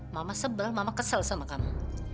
mama sebel mama kesel sama kamu